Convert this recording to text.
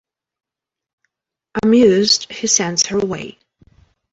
Amused, he sends her away.